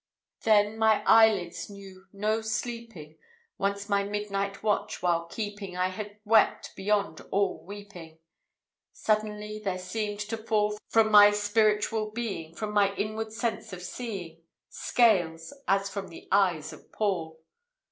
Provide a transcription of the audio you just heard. Then my eyelids knew no sleeping: Once my midnight watch while keeping, I had wept beyond all weeping, Suddenly there seemed to fall From my spiritual being, From my inward sense of seeing, Scales, as from the eyes of Paul.